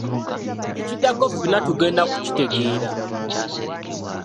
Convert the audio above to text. Ekiddako ffenna tugenda ku kitegera.